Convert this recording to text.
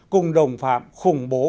cùng đồng phạm khủng bố